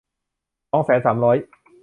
สองแสนสามร้อย